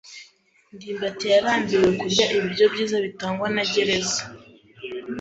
ndimbati yarambiwe kurya ibiryo byiza bitangwa na gereza.